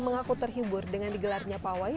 mengaku terhibur dengan digelarnya pawai